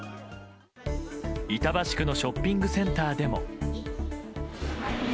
板橋区のショッピングセンターでも。